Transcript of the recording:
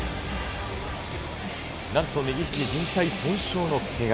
なんと右ひじじん帯損傷のけが。